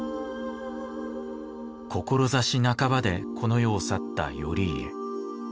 志半ばでこの世を去った頼家。